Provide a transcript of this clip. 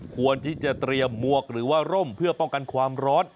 ควรที่จะเตรียมมวกหรือว่าร่มเพื่อป้องกันความร้อน